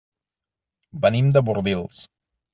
Venim de Bordils.